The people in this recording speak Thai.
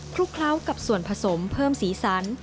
ลุกเคล้ากับส่วนผสมเพิ่มสีสัน